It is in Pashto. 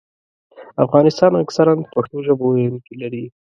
افغانستان اکثراً پښتو ژبه ویونکي لري.